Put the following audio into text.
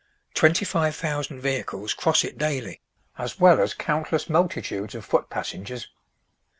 Twenty five thousand vehicles cross it daily, as well as countless multitudes of foot passengers.